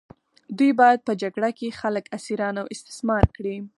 دوی باید په جګړه کې خلک اسیران او استثمار کړي.